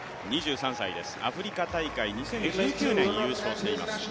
２３歳です、アフリカ大会２０１９年に優勝しています。